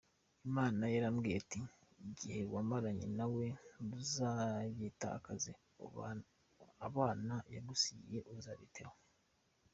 Imana yarambwiye iti igihe wamaranye na we ntuzagitakaze, abana yagusigiye uzabiteho.